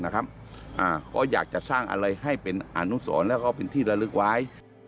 ก็อยากจะสร้างอะไรให้เป็นอนุสรแล้วก็เป็นที่ระลึกไว้